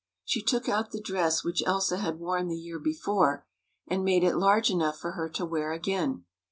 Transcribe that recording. She took out the dress which Elsa had worn the year before, and made it large enough for her to wear again.